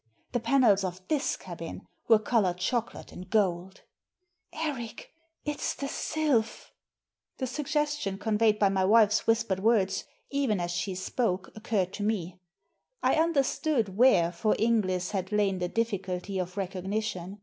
The panels of this cabin were coloured chocolate and gold. "Eric, it's the Sylph T' Digitized by VjOOQIC THE HOUSEBOAT 285 The suggestion conveyed by my wife's whispered words, even as she spoke, occurred to me. I under stood where, for Inglis, had lain the difficulty of recognition.